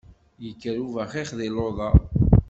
Yekker ubaxix di luḍa!